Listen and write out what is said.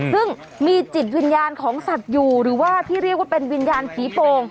ซึ่งมีจิตวิญญาณของสัตว์อยู่หรือว่าที่เรียกว่าเป็นวิญญาณผีโป่ง